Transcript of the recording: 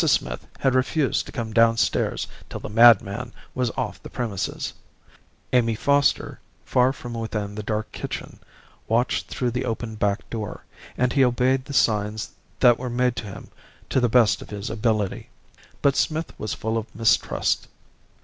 Smith had refused to come downstairs till the madman was off the premises; Amy Foster, far from within the dark kitchen, watched through the open back door; and he obeyed the signs that were made to him to the best of his ability. But Smith was full of mistrust.